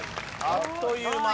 あっという間。